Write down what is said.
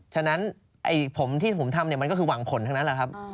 ฉะนั้นผมที่ผมทำมันก็คือหวังผลทั้งนั้นแหละครับ